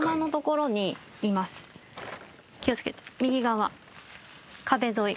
気を付けて右側壁沿い。